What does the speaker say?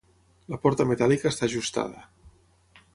La porta metàl·lica està ajustada.